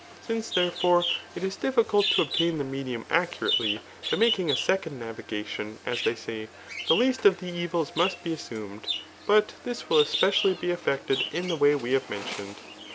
Since, therefore, it is difficult to ob* tain the medium accurately, by making a second ^ navigi* tion, as they say, the least of the evils must be assumed } but this will especially be effected in the way we have mentioned.